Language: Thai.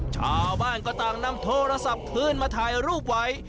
ชาวบ้านก็ต่างนำโทรศัพท์คืนมาถ่ายรูปไว้